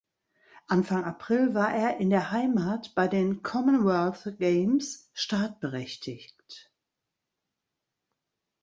Anfang April war er in der Heimat bei den Commonwealth Games startberechtigt.